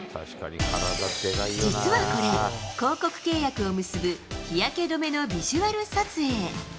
実はこれ、広告契約を結ぶ、日焼け止めのビジュアル撮影。